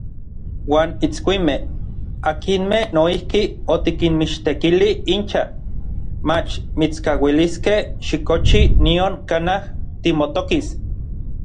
Uan itskuimej, akinmej noijki otikinmichtekili incha, mach mitskauiliskej xikochi nion kanaj timotokis.